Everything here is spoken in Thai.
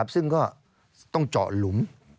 ซึ่งก็ต้องเจาะหลุม